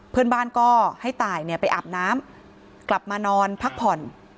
เพื่อนบ้านก็ให้ตายไปอาบน้ำกลับมานอนพักผ่อน